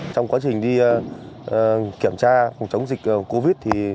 trong quá trình đi kiểm tra phòng chống dịch covid thì